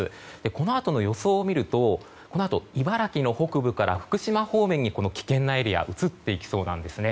このあとの予想を見るとこのあと茨城の北部から福島方面に危険なエリアが移っていきそうなんですね。